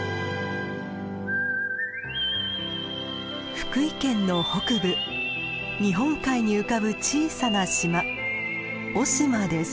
福井県の北部日本海に浮かぶ小さな島雄島です。